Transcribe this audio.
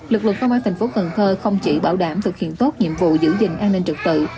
lực lượng công an tp cn không chỉ bảo đảm thực hiện tốt nhiệm vụ giữ gìn an ninh trực tự